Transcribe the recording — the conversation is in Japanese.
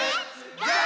ゴー！